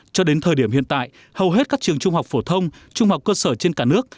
cho đến thời điểm hiện tại hầu hết các trường trung học phổ thông trung học cơ sở trên cả nước